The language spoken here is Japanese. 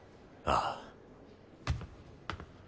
ああ。